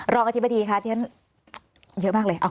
รองอธิบดีค่ะเยอะมากเลย